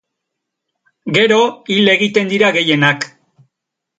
Gero, hil egiten dira gehienak.